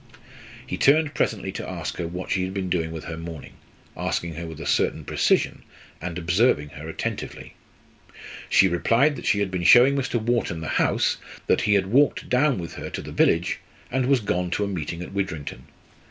He turned presently to ask her what she had been doing with her morning asking her with a certain precision, and observing her attentively. She replied that she had been showing Mr. Wharton the house, that he had walked down with her to the village, and was gone to a meeting at Widrington.